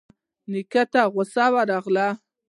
نيکه ته غوسه ورغله.